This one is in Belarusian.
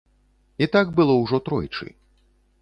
І так было ўжо тройчы.